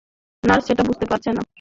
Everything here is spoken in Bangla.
নার্স সেটা বুঝতে পারছে না।